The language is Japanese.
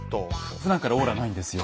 ふだんからオーラないんですよ。